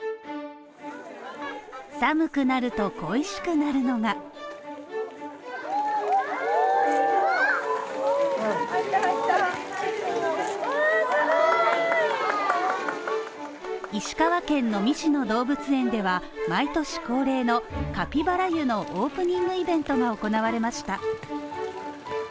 寒くなると恋しくなるのが石川県能美市の動物園では、毎年恒例のカピバラ湯のオープニングイベントが行われました。